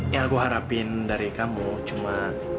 yang aku harapin dari kamu cuma